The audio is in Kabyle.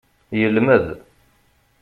Yelmed.